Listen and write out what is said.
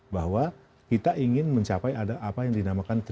bahwa kita ingin mencapai ada apa yang dinamakan tiga